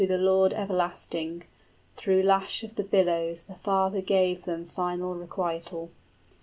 } The Lord everlasting, through lash of the billows The Father gave them final requital.